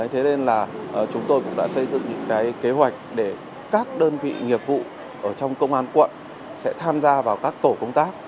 thế nên là chúng tôi cũng đã xây dựng những kế hoạch để các đơn vị nghiệp vụ ở trong công an quận sẽ tham gia vào các tổ công tác